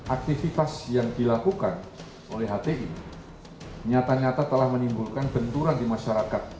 aktivitas yang dilakukan oleh hti nyata nyata telah menimbulkan benturan di masyarakat